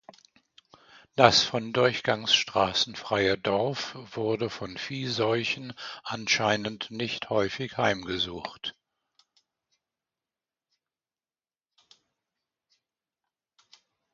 Das von Durchgangsstraßen freie Dorf wurde von Viehseuchen anscheinend nicht häufig heimgesucht.